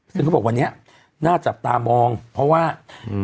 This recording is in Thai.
ซึ่งเขาบอกวันนี้น่าจับตามองเพราะว่าอืม